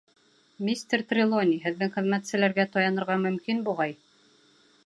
Мистер Трелони, һеҙҙең хеҙмәтселәргә таянырға мөмкин, буғай?